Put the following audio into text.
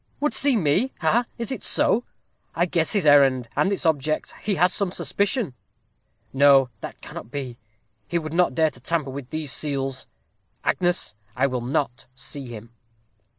"Would see me, ha! is it so? I guess his errand, and its object he has some suspicion. No, that cannot be; he would not dare to tamper with these seals. Agnes, I will not see him."